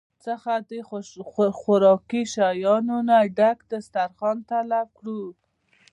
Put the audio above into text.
څخه د خوراکي شيانو نه ډک دستارخوان طلب کړو